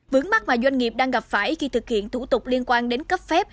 vướng mắt mà doanh nghiệp đang gặp phải khi thực hiện thủ tục liên quan đến cấp phép